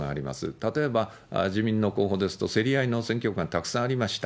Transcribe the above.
例えば、自民の候補ですと、競り合いの選挙区がたくさんありました。